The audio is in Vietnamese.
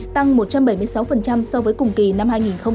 tăng một trăm bảy mươi sáu so với cùng kỳ năm hai nghìn hai mươi một